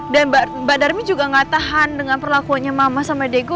dan mbak darmi juga gak tahan dengan perlakunya mama sama diego